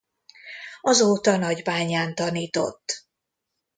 Azóta Nagybányán tanított.